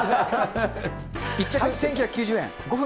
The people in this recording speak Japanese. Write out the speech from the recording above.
１着１９９０円。